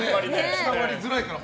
伝わりづらいから。